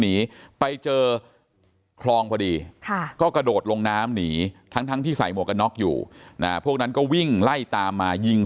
หนีไปเจอคลองพอดีก็กระโดดลงน้ำหนีทั้งที่ใส่หมวกกันน็อกอยู่พวกนั้นก็วิ่งไล่ตามมายิง